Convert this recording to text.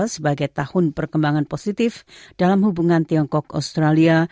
sebagai tahun perkembangan positif dalam hubungan tiongkok australia